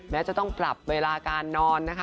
แม้จะต้องปรับเวลาการนอนนะคะ